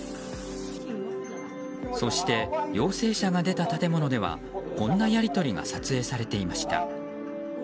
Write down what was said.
そして陽性者が出た建物ではこんなやり取りが撮影されていました。